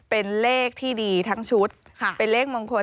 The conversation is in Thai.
เป็นเลขที่ดีทั้งชุดเป็นเลขมงคล